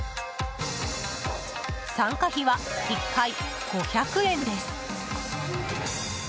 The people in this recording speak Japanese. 参加費は、１回５００円です。